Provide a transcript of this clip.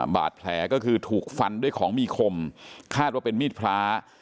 บาดแผลก็คือถูกฟันด้วยของมีคมคาดว่าเป็นมีดพระ